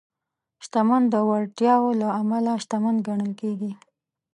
شتمن د وړتیاوو له امله شتمن ګڼل کېږي.